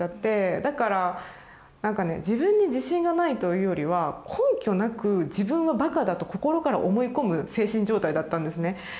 だからなんかね自分に自信がないというよりは根拠なく自分はバカだと心から思い込む精神状態だったんですね。